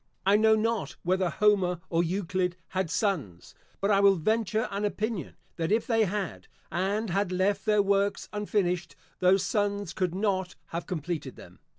I know not whether Homer or Euclid had sons; but I will venture an opinion that if they had, and had left their works unfinished, those sons could not have completed them.